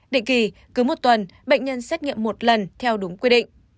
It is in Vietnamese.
định kỳ cứ một tuần bệnh nhân xét nghiệm một lần theo đúng quy định